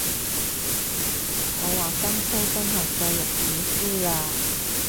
我話今舖真係載入史書喇